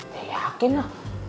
ya yakin lah